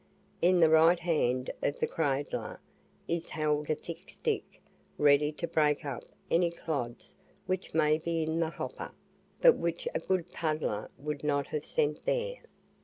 In the right hand of the cradler is held a thick stick, ready to break up any clods which may be in the hopper, but which a good puddler would not have sent there.